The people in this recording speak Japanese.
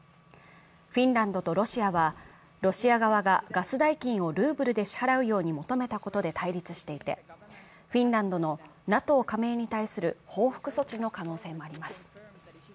フィンランドとロシアは、ロシア側がガス代金をルーブルで支払うように求めたことで対立していてフィンランドのＮＡＴＯ加盟に対する報復措置の可能性もあります。